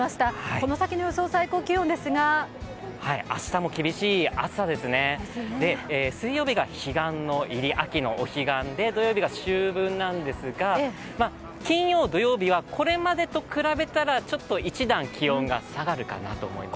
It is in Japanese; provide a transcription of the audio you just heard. この先の最高気温ですが明日も厳しい暑さですね、水曜日が彼岸の入り、秋のお彼岸で土曜日が秋分なんですが金曜、土曜日はこれまでと比べたら一段気温が下がるかなと思います。